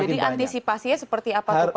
jadi antisipasinya seperti apa tuh pak